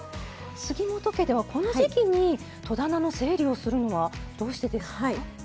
杉本家では、この時期に戸棚の整理をするのはどうしてですか？